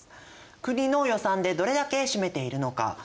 国の予算でどれだけ占めているのかこちらです！